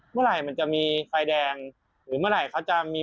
เมื่อไหร่มันจะมีไฟแดงหรือเมื่อไหร่เขาจะมี